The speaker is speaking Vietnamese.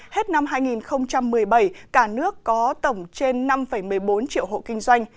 hết năm hai nghìn một mươi bảy cả nước có tổng trên năm một mươi bốn triệu hộ kinh doanh